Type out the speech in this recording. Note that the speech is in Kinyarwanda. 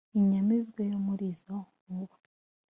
Inyamibwa yo muri izo nkuba